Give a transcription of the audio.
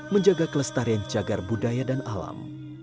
menjaga kelestarian cagar budaya dan alam